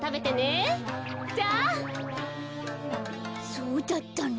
そうだったの？